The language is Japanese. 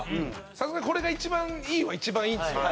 さすがに、これが一番いいは、一番いいんですよ。